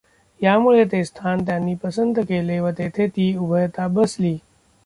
यामुळे ते स्थान त्यांनी पसंत केले व तेथे ती उभयता बसली.